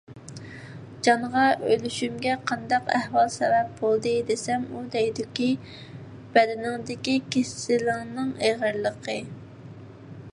جانغا: «ئۆلۈشۈمگە قانداق ئەھۋال سەۋەب بولدى؟» دېسەم، ئۇ دەيدۇكى: «بەدىنىڭدىكى كېسىلىڭنىڭ ئېغىرلىقى».